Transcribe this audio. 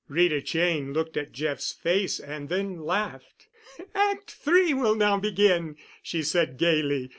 Rita Cheyne looked at Jeff's face and then laughed. "Act Three will now begin," she said gaily.